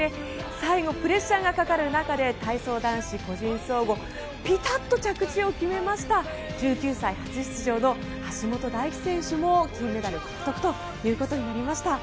最後、プレッシャーがかかる中で体操男子個人総合ピタッと着地を決めました１９歳、初出場の橋本大輝選手も金メダル獲得ということになりました。